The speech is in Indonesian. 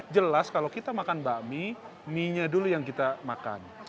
jelas kalau kita makan bakmi mie nya dulu yang kita makan